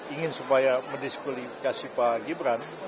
ingin supaya mendiskulifikasi pak gibran